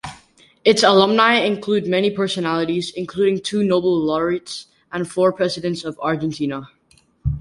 Its alumni include many personalities, including two Nobel laureates and four Presidents of Argentina.